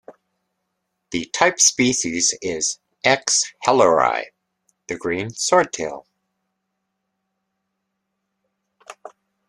The type species is "X. hellerii," the green swordtail.